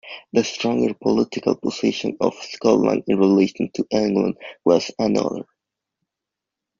The stronger political position of Scotland in relation to England was another.